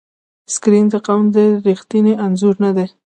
سکرین د قوم ریښتینی انځور نه دی.